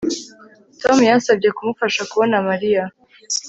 Tom yansabye kumufasha kubona Mariya